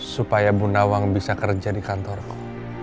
supaya bu nawang bisa kerja di kantorku